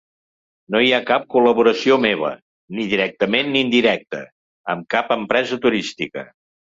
No hi ha cap col·laboració meva, ni directament ni indirecta, amb cap empresa turística.